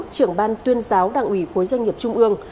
trưởng ban tuyên giáo đảng ủy khối doanh nghiệp trung ương